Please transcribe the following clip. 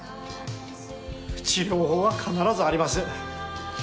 治療法は必ずあります。